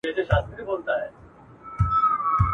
ما راپورته يو نااهله كړ د ښاره !.